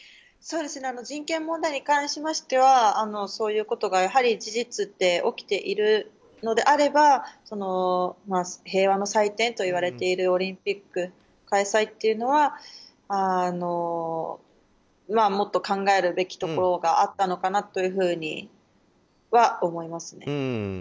人権問題に関しましてはそういうことが、事実起きているのであれば平和の祭典といわれているオリンピック開催というのはもっと考えるべきところがあったのかなと思いますね。